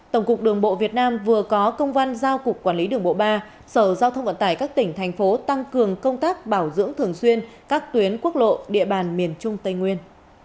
tổng cục đường bộ việt nam vừa có công văn giao cục quản lý đường bộ ba sở giao thông vận tải các tỉnh thành phố tăng cường công tác bảo dưỡng thường xuyên các tuyến quốc lộ địa bàn miền trung tây nguyên